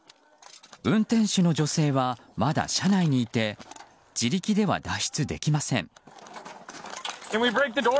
運転手の女性はまだ車内にいて自力では脱出できません。